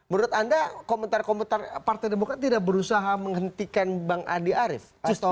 menurut anda komentar komentar partai demokrat tidak berusaha menghentikan bang andi arief